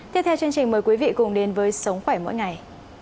tiếp theo chương trình mời quý vị cùng đến với sống khỏe mỗi ngày